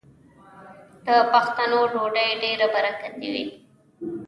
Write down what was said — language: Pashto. د پښتنو ډوډۍ ډیره برکتي وي.